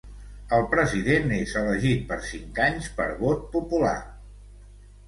El president és elegit per cinc anys per vot popular.